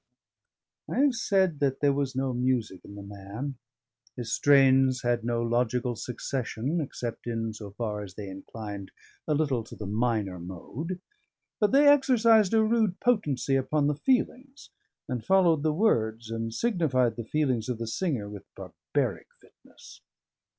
I have said there was no music in the man. His strains had no logical succession except in so far as they inclined a little to the minor mode; but they exercised a rude potency upon the feelings, and followed the words, and signified the feelings of the singer with barbaric fitness.